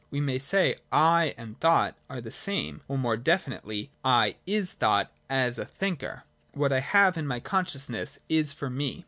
We may say ' I ' and thought are the same, or, more definitely, ' I ' is thought as a thinker. What I have in my consciousness, is for me.